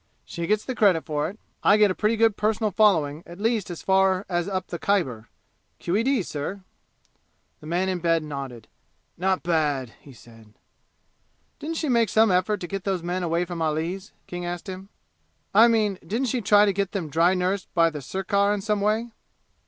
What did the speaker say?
She gets the credit for it. I get a pretty good personal following at least as far as up the Khyber! Q.E.D., sir!" The man in bed nodded. "Not bad," he said. "Didn't she make some effort to get those men away from Ali's?" King asked him. "I mean, didn't she try to get them dry nursed by the sirkar in some way?"